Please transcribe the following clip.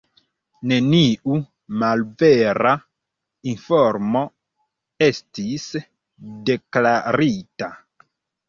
Neniu malvera informo estis deklarita.